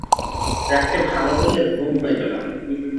রাত্রে ভালো করিয়া ঘুম হইল না।